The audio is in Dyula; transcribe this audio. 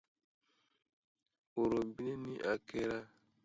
- cɛdenw ni cɛɛw bi fariya musodenw ni musow ma, o t'o jati;